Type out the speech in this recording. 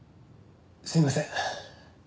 すみません。